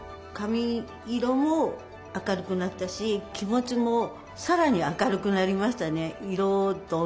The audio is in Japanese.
髪色も明るくなったし気持ちもさらに明るくなりましたね。